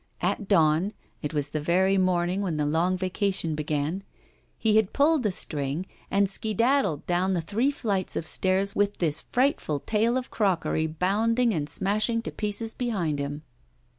At dawn it was the very morning when the long vacation began he had pulled the string and skedaddled down the three flights of stairs with this frightful tail of crockery bounding and smashing to pieces behind him.